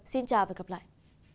xin chào và hẹn gặp lại